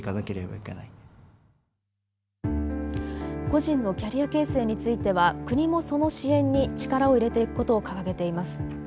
個人のキャリア形成については国もその支援に力を入れていくことを掲げています。